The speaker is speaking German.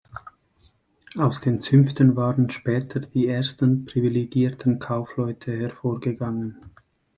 Aus den Zünften waren später die ersten privilegierten Kaufleute hervorgegangen.